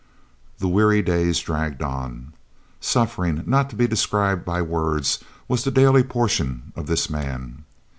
The weary days dragged on. Suffering, not to be described by words, was the daily portion of this man.